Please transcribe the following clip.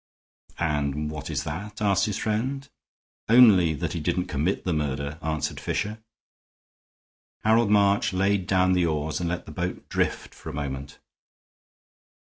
"And what is that?" asked his friend. "Only that he didn't commit the murder," answered Fisher. Harold March laid down the oars and let the boat drift for a moment.